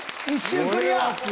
１周クリア！